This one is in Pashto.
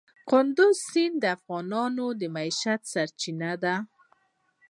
کندز سیند د افغانانو د معیشت سرچینه ده.